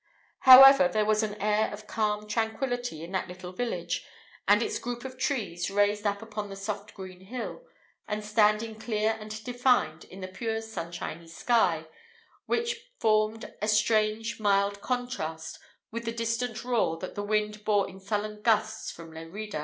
However, there was an air of calm tranquillity in that little village and its group of trees, raised up upon the soft green hill, and standing clear and defined in the pure sunshiny sky, which formed a strange mild contrast with the distant roar that the wind bore in sullen gusts from Lerida.